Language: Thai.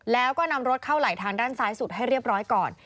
แล้วก็นำรถเข้าไหลทางด้านซ้ายสุดให้เรียบร้อยก่อน